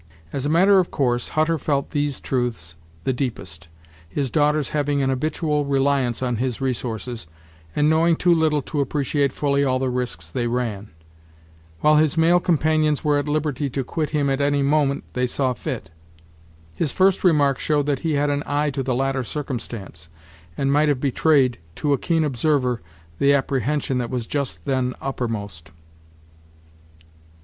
As a matter of course Hutter felt these truths the deepest, his daughters having an habitual reliance on his resources, and knowing too little to appreciate fully all the risks they ran; while his male companions were at liberty to quit him at any moment they saw fit. His first remark showed that he had an eye to the latter circumstance, and might have betrayed, to a keen observer, the apprehension that was just then uppermost.